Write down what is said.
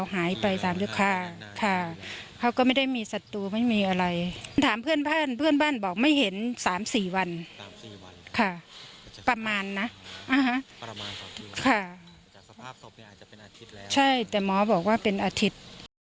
เหมือน๓๔วันประมาณนะใช่แต่หมอบอกว่าเป็นอาทิตย์